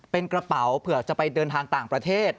เป็นกระเป๋าเผื่อจะไปเดินทางต่างประเทศ